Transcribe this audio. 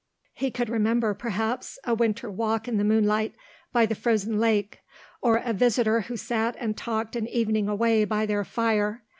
He could remember, perhaps, a winter walk in the moonlight by the frozen lake, or a visitor who sat and talked an evening away by their fire.